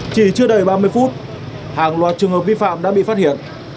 chỉ chưa đầy ba mươi phút hàng loạt trường hợp vi phạm đã bị phát hiện